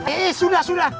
eh eh sudah sudah